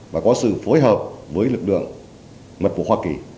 và có sự phối hợp với lực lượng mật phục hoa kỳ